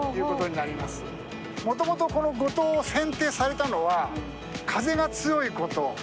もともとこの五島を選定されたのは風が強いこと。